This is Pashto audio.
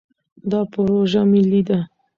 دا پروژه ملي ده.